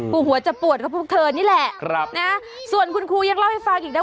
หัวจะปวดก็พวกเธอนี่แหละครับนะส่วนคุณครูยังเล่าให้ฟังอีกนะ